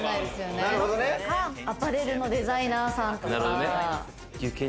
それかアパレルのデザイナーさんとか。